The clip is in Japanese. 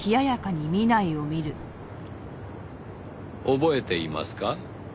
覚えていますか？